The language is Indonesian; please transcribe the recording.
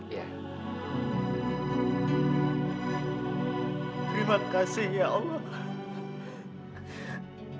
terima kasih ya allah